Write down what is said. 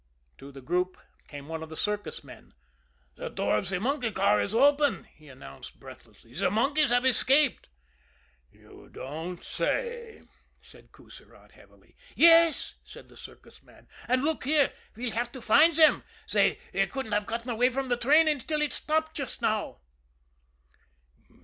To the group came one of the circus men. "The door of the monkey car is open!" he announced breathlessly. "The monkeys have escaped." "You don't say!" said Coussirat heavily. "Yes," said the circus man. "And, look here, we'll have to find them; they couldn't have got away from the train until it stopped just now."